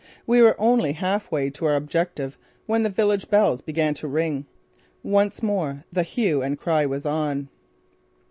We were only half way to our objective when the village bells began to ring. Once more the hue and cry was on!